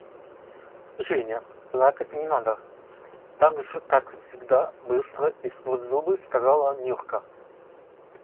– Женя, плакать не надо! – так же, как всегда, быстро и сквозь зубы сказала Нюрка.